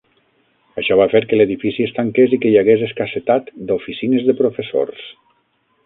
Això va fer que l'edifici es tanqués i que hi hagués escassetat d'oficines de professors.